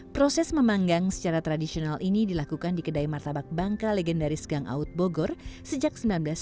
proses memanggang secara tradisional ini dilakukan di kedai martabak bangka legendaris gang aut bogor sejak seribu sembilan ratus sembilan puluh